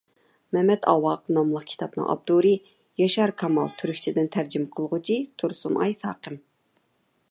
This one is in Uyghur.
«مەمەت ئاۋاق» ناملىق كىتابنىڭ ئاپتورى: ياشار كامال؛ تۈركچىدىن تەرجىمە قىلغۇچى: تۇرسۇنئاي ساقىم